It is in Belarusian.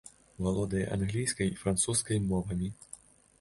Валодае англійскай і французскай мовамі.